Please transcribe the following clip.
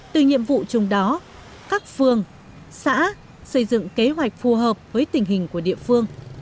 từ nhiệm vụ chung đó các phương xã xây dựng kế hoạch phù hợp với tình hình của địa phương